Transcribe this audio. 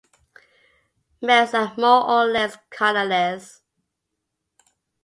Males are more or less colourless.